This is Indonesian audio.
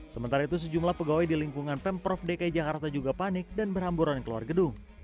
sementara itu sejumlah pegawai di lingkungan pemprov dki jakarta juga panik dan berhamburan keluar gedung